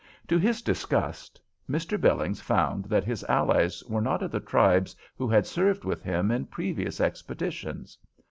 To his disgust, Mr. Billings found that his allies were not of the tribes who had served with him in previous expeditions.